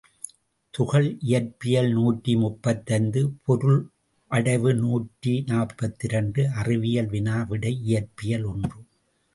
துகள் இயற்பியல் நூற்றி முப்பத்தைந்து பொருளடைவு நூற்றி நாற்பத்திரண்டு அறிவியல் வினா விடை இயற்பியல் ஒன்று.